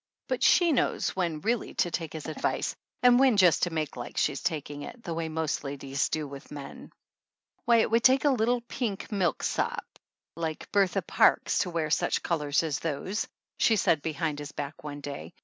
But she knows when really to take his advice and when just to make like she's taking it, the way most ladies do with men. "Why, it would take a little pink milksop like Bertha Parkes to wear such colors as those" she said behind his back one day.